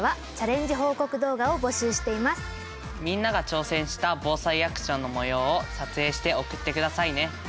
みんなが挑戦した「防災アクション」のもようを撮影して送って下さいね。